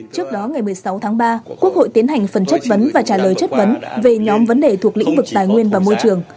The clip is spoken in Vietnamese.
trước đó ngày một mươi sáu tháng ba quốc hội tiến hành phần chất vấn và trả lời chất vấn về nhóm vấn đề thuộc lĩnh vực tài nguyên và môi trường